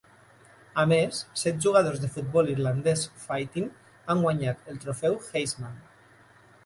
A més, set jugadors de futbol irlandès Fighting han guanyat el trofeu Heisman.